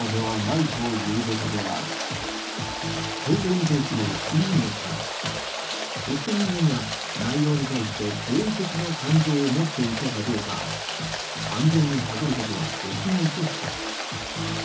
投稿に対するいいねから押した人間が内容に対して好意的な感情を持っていたかどうか完全にはかることはできないとした。